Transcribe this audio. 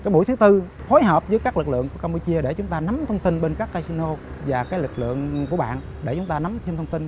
mũi thứ bốn là kết hợp với các lực lượng của campuchia để chúng ta nắm thông tin bên các casino và lực lượng của bạn để chúng ta nắm thông tin